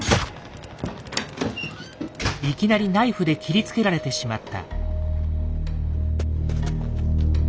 いきなりナイフで切りつけられてしまった。